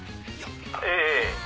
ええ。